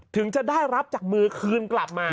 ถึงจะได้รับจากมือคืนกลับมา